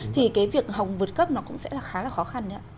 thì cái việc học vượt cấp nó cũng sẽ là khá là khó khăn đấy ạ